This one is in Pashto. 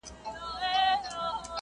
په ګودر کي لنډۍ ژاړي د منګیو جنازې دي !.